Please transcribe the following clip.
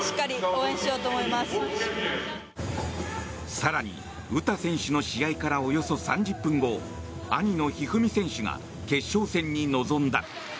更に、詩選手の試合からおよそ３０分後兄の一二三選手が決勝戦に臨んだ。